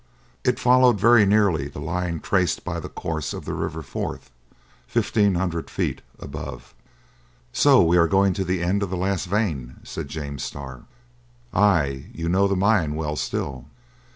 It followed very nearly the line traced by the course of the river Forth, fifteen hundred feet above. "So we are going to the end of the last vein?" said James Starr. "Ay! You know the mine well still."